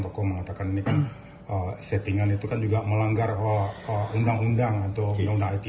toko mengatakan settingan itu kan juga melanggar undang undang atau undang undang it